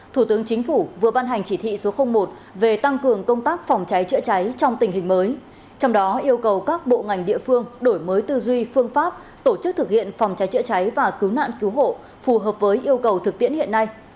thủ tướng chính phủ vừa ban hành chỉ thị số một về tăng cường công tác phòng cháy chữa cháy trong tình hình mới trong đó yêu cầu các bộ ngành địa phương đổi mới tư duy phương pháp tổ chức thực hiện phòng cháy chữa cháy và cứu nạn cứu hộ phù hợp với yêu cầu thực tiễn hiện nay